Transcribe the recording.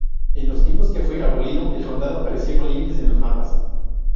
En los tiempos que fue abolido, el condado aparecía con límites en los mapas.